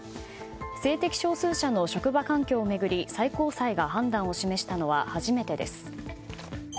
性的少数者の職場環境を巡り最高裁が判断を示したのは初めてです。